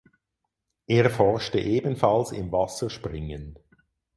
Er forschte ebenfalls im Wasserspringen.